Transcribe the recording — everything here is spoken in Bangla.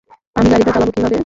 আমি গাড়িটা চালাবো কীভাবে?